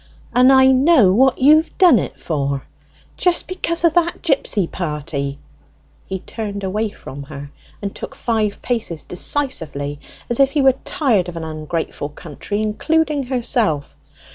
And I know what you've done it for, just because of that gipsy party!" He turned away from her and took five paces decisively, as if he were tired of an ungrateful country, including herself.